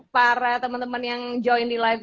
para temen temen yang join di live